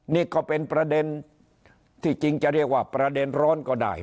นี่ก็เป็นประเด็นที่จริงจะเรียกว่าประเด็นร้อนก็ได้